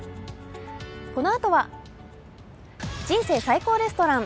このあとは「人生最高レストラン」。